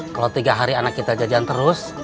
kalau tiga hari anak kita jajan terus